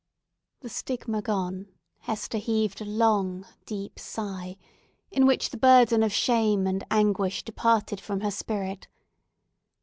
The stigma gone, Hester heaved a long, deep sigh, in which the burden of shame and anguish departed from her spirit.